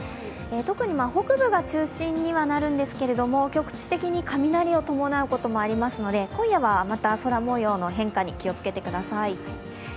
特に北部が中心にはなるんですけれども局地的に雷を伴うこともありますので今夜はまた空もようの変化に気をつけてください。